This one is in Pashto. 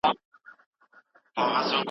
هيڅکله د بل انسان حق مه خورۍ.